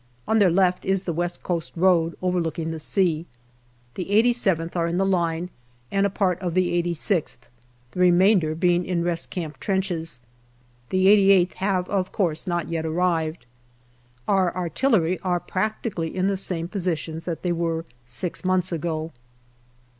On their left is the West Coast road, overlooking the sea The 87th are in the line, and a part of the 86th, the remainder 304 GALLIPOLI 'DIARY being in rest camp trenches. The 88th have of course not yet arrived. Our artillery are practically in the same positions that they were six months ago.